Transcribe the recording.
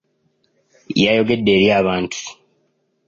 Yayogedde eri abantu.